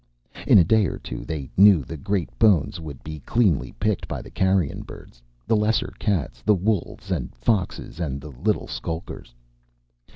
In a day or two, they knew, the great bones would be cleanly picked by the carrion birds, the lesser cats, the wolves and foxes and the little skulkers.